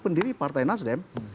pendiri partai nasdem